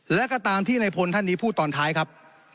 และก็ตามที่ในพลท่านนี้พูดตอนท้ายครับ